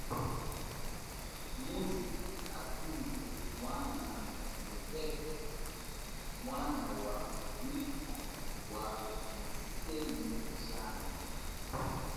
Muze nabwile mwana mukepe mwana wa wikha wa yisemi jami.